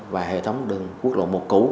và hệ thống đường quốc độ một củ